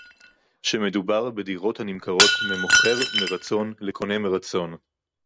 שמדובר בדירות הנמכרות ממוכר מרצון לקונה מרצון